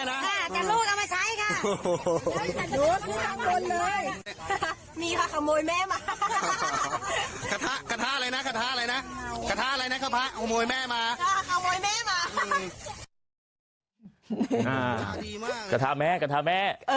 น่าขโมยแม่มา